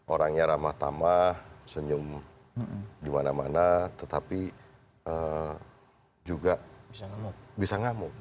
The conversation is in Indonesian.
orangnya ramah tamah senyum di mana mana tetapi juga bisa ngamuk